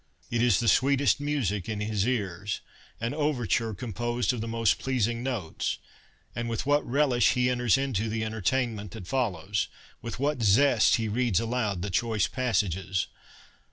It is the sweetest music in his ears — an overture com posed of the most pleasing notes. And with what relish he enters into the entertainment that follows ! With what zest he reads aloud the choice passages